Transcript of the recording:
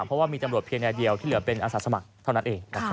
เพราะว่ามีตำรวจเพียงนายเดียวที่เหลือเป็นอาสาสมัครเท่านั้นเอง